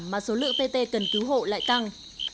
giảm mà số lượng tê tê cần cứu hộ lại tăng